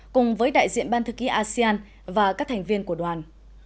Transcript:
cùng với đại diện ban thư ký asean và các thành viên của đoàn